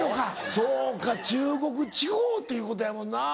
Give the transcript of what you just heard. そうか中国地方っていうことやもんな。